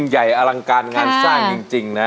หวังพึ่งองค์